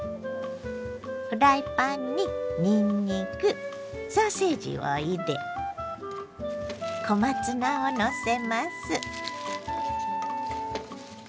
フライパンににんにくソーセージを入れ小松菜をのせます。